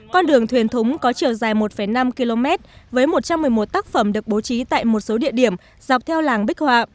con đường thuyền thúng có chiều dài một năm km với một trăm một mươi một tác phẩm được bố trí tại một số địa điểm dọc theo làng bích họa